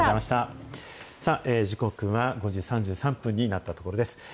時刻は５時３３分になったところです。